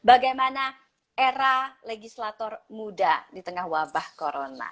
bagaimana era legislator muda di tengah wabah corona